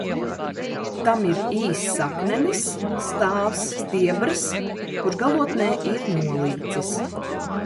Tam ir īss saknenis, stāvs stiebrs, kurš galotnē ir nolīcis.